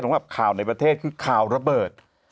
สำหรับข่าวในประเทศคือข่าวระเบิด